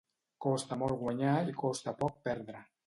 Costa molt guanyar i costa poc perdre.